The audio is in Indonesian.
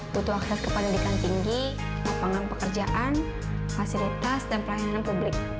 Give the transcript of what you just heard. butuh akses ke pendidikan tinggi lapangan pekerjaan fasilitas dan pelayanan publik